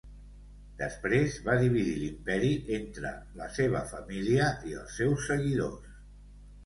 Després va dividir l'imperi entre la seva família i els seus seguidors.